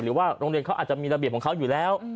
หรือว่าโรงเรียนเขาอาจจะมีระเบียบของเขาอยู่แล้ว